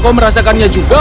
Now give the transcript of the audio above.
apa kau merasakannya juga